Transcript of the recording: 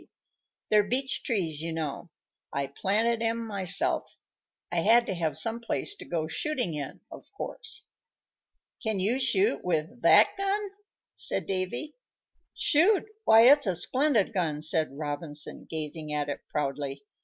"They're beach trees, you know; I planted 'em myself. I had to have some place to go shooting in, of course." "Can you shoot with that gun?" said Davy. "Shoot! Why, it's a splendid gun!" said Robinson, gazing at it proudly.